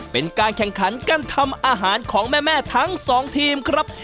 เป็นการแข่งขันการทำอาหารของแม่ทั้งสองทีมครับ